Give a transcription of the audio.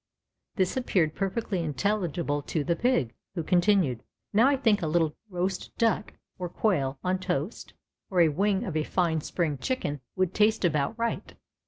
Tliis appeared perfectly intelligible to the Pig, who continued : "Now I think a little roast duck, or quail on toast, THE RED VELVET PIG. 289 or a wing of a fine spring chicken would taste about right.